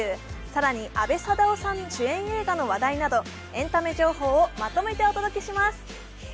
更に、阿部サダヲさん主演映画の話題などエンタメ情報をまとめてお届けします。